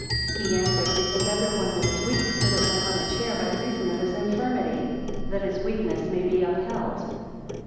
122 He answered, because every one that is weak sitteth upon a chair by reason of his infirmity, that his weakness may be upheld.